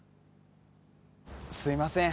すいません。